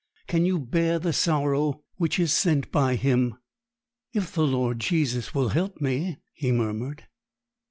Can you bear the sorrow which is sent by Him?' 'If the Lord Jesus will help me,' he murmured.